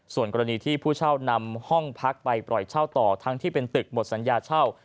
ส่วนกรณีที่ผู้เช่านำห้องพักไปปล่อยเช่าต่อทั้งที่เป็นตึกหมดสัญญาเช่า